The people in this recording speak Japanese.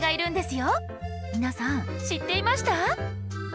皆さん知っていました？